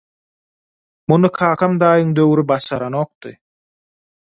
Muny kakam dagyň döwri başaranokdy.